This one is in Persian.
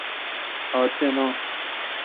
آتنا